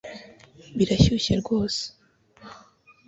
Birashyushye rwose